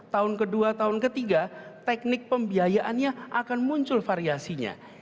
tahun ke dua tahun ke tiga teknik pembiayaannya akan muncul variasinya